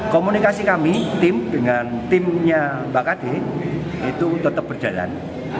komunikasi kami tim dengan timnya mbak kd itu tetap berjalan